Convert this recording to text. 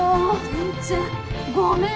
全然。ごめん！